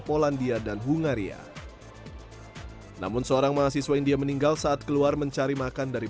polandia dan hungaria namun seorang mahasiswa india meninggal saat keluar mencari makan dari